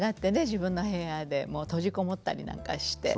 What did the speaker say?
自分の部屋でもう閉じこもったりなんかして。